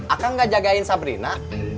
akan nggak jagain sabrina